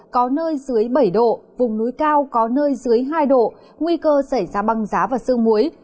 có nơi dưới bảy độ vùng núi cao có nơi dưới hai độ nguy cơ xảy ra băng giá và sương muối